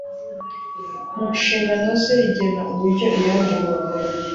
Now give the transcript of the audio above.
mu nshingano ze rigena uburyo iyandikwa